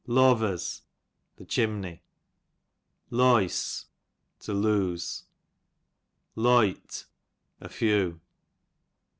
Loyers, the chimney, Loyse, to lose. Loyte, a few.